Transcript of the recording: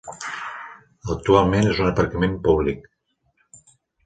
Actualment és un aparcament públic.